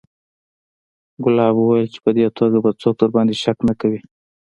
ګلاب وويل چې په دې توګه به څوک درباندې شک نه کوي.